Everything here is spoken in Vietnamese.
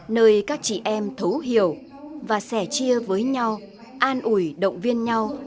nơi các chị em thấu hiểu và sẻ chia với nhau an ủi động viên nhau